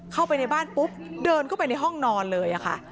เข้าไปในบ้านปุ๊บเดินเข้าไปในห้องนอนเลยค่ะ